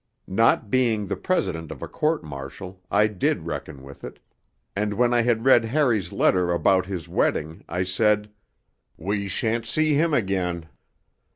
Not being the president of a court martial I did reckon with it; and when I had read Harry's letter about his wedding I said: 'We shan't see him again.'